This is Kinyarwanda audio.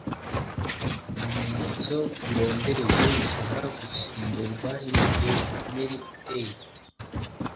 ibimenyetso birombereje bishobora gusimburwa n’imitemeri iteye ite